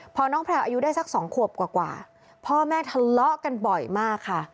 พอน้องแพลวอายุได้สักสองขวบกว่าพ่อแม่ทะเลาะกันบ่อยมากค่ะ